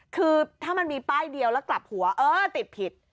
คือถ้ามันมีป้ายเดียวแล้วกลับหัวเออติดผิด